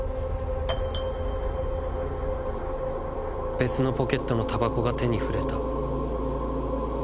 「別のポケットの煙草が手に触れた。